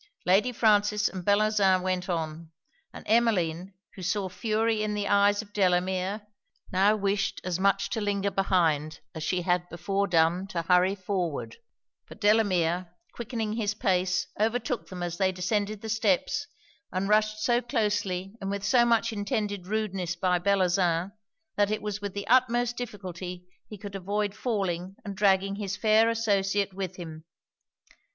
Lady Frances and Bellozane went on; and Emmeline, who saw fury in the eyes of Delamere, now wished as much to linger behind as she had before done to hurry forward. But Delamere quickening his pace, overtook them as they descended the steps, and rushed so closely and with so much intended rudeness by Bellozane, that it was with the utmost difficulty he could avoid falling and dragging his fair associate with him.